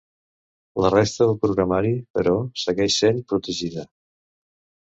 La resta del programari, però, segueix sent protegida.